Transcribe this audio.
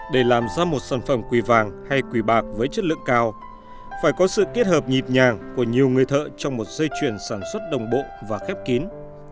để làm ra một sản phẩm quỳ vàng hay quỳ bạc với chất lượng cao phải có sự kết hợp nhịp nhàng của nhiều người thợ trong một dây chuyển sản xuất đồng bộ và khép kín